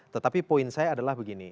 tetapi poin saya adalah begini